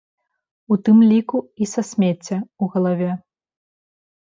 У тым ліку і са смецця ў галаве.